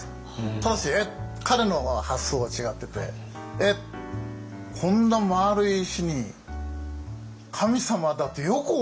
ただし彼の発想は違ってて「えっこんな丸い石に神様だってよく思えるよな」と思った。